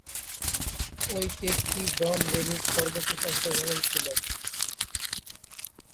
ঐ টেস্টই জন রেনি’র সর্বশেষ অংশগ্রহণ ছিল।